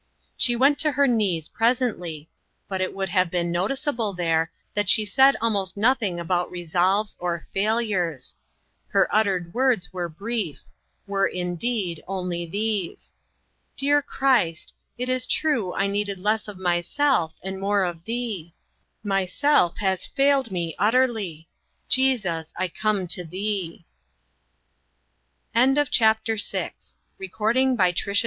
She went to her knees, presently, but it would have been noticeable there that she said almost nothing about resolves, or failures. Her uttered words were brief; were, indeed, only these: "Dear Christ, it is true I needed less of self and more of thee. Myself has failed me utterly ; Jesus, I come to thee."